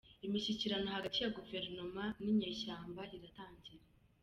Imishyikirano hagati ya Guverinoma n’Inyeshyamba iratangira